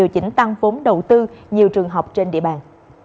cảm ơn các bạn